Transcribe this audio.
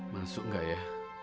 masuk gak ya